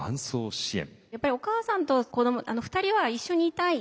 やっぱりお母さんと子ども二人は一緒にいたい。